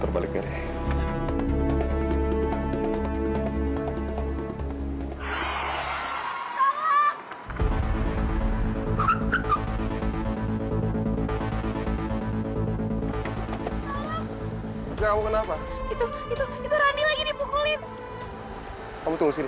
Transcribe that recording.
tidak dia sudah kembali